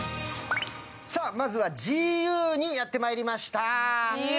まずはＧＵにやってまいりました。